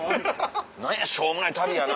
何やしょうもない旅やな。